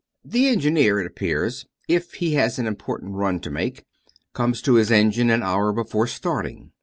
The engineer, it appears, if he has an important run to make, comes to his engine an hour before starting.